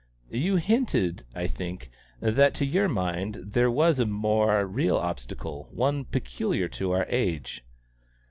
"You hinted, I think, that to your mind there was a more real obstacle, one peculiar to our age."